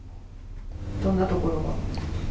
どんなところが？